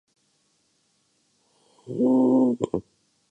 اس میں کیمرہ کی کچھ اچھی پوزیشن اور ترمیم کا استعمال کیا گیا ہے